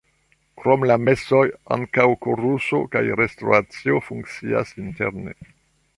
Krom la mesoj ankaŭ koruso kaj restoracio funkcias interne.